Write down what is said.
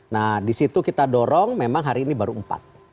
nah disitu kita dorong memang hari ini baru empat